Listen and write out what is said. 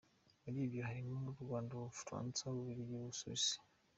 Muri ibyo harimo u Rwanda, Ubufaransa, Ububiligi, n’Ubusuwisi.